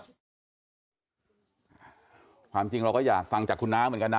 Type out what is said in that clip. ความจริงเราก็อยากฟังจากคุณน้าเหมือนกันนะ